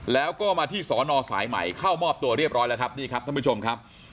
แล้วก็มาที่สอนอสายใหม่เข้ามอบตัวเรียบร้อยแล้วครับนี่ครับท่านผู้ชมครับ